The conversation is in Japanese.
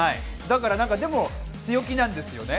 でも強気なんですよね。